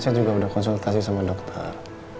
saya juga sudah konsultasi sama dokter